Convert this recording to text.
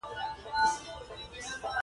د څو ښارونو لیدنې په تکل روان شوو.